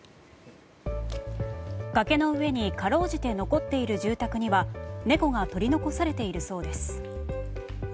崖の上にかろうじて残っている住宅には猫が取り残されているそうです。